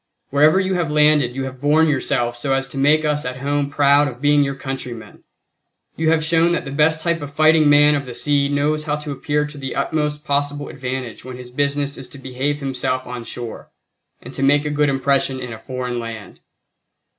Wherever you have landed you have borne yourselves so as to make us at home proud of being your countrymen. You have shown that the best type of fighting man of the sea knows how to appear to the utmost possible advantage when his business is to behave himself on shore, and to make a good impression in a foreign land.